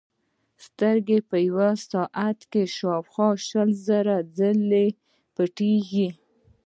سترګې په یوه ساعت کې شاوخوا شل زره ځلې پټېږي.